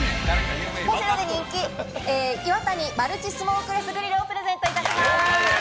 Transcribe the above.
ポシュレで人気、「イワタニマルチスモークレスグリル」をプレゼントいたします。